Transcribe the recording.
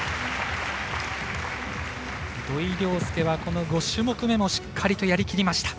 土井陵輔はこの５種目めもしっかりとやりきりました。